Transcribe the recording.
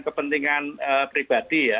kepentingan pribadi ya